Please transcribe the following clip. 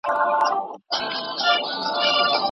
ځیني خلګ هېڅکله د نورو په اړه ښه فکرونه نه کوي.